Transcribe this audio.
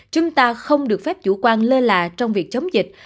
chúng ta không được phép chủ quan lơ là trong việc chống dịch